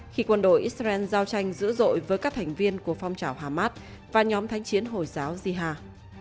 khi quân đội israel giao tranh dữ dội với các thành viên của phong trào hamas và nhóm thánh chiến hồi giáo jiha